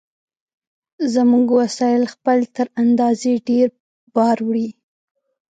زموږ وسایل خپل تر اندازې ډېر بار وړي.